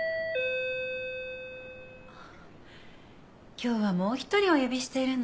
今日はもう一人お呼びしてるの。